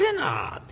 って。